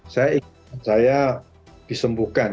saya ingin saya disembuhkan